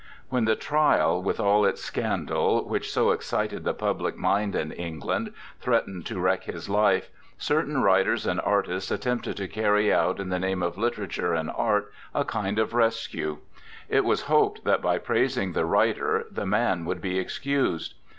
When the trial, with all its scandal, which so excited the public mind in England threatened to wreck his life, certain writers and artists attempted to carry out, in the name of literature and art, a kind of rescue. It was hoped that by praising the writer the man would be excused.